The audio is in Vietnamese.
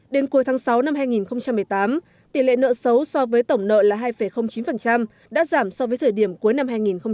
đến cuối tháng sáu năm hai nghìn một mươi tám tỷ lệ nợ xấu so với tổng nợ là hai chín đã giảm so với thời điểm cuối năm hai nghìn một mươi bảy